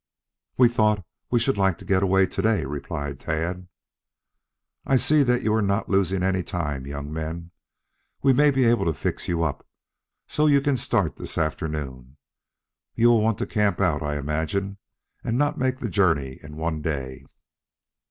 "We thought we should like to get away today," replied Tad. "I see you are not losing any time, young men. We may be able to fix you up so you can start this afternoon. You will want to camp out, I imagine, and not make the journey in one day."